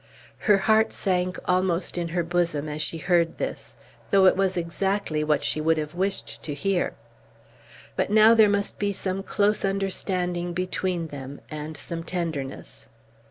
Her heart sank almost in her bosom as she heard this, though it was exactly what she would have wished to hear. But now there must be some close understanding between them and some tenderness.